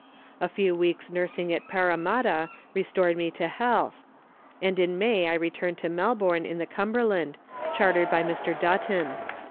A few weeks' nursing at Parramatta restored me to health, and in May I returned to Melbourne in the Cumberland, chartered by Mr. Button.